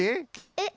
えっ？